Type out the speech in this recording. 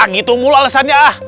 gitu mulu alesannya ah